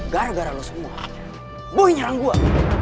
gara gara lo semua gue yang nyerang gue